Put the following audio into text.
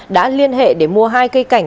đã liên hệ để mua hai cây cảnh